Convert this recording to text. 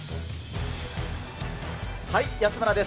安村です。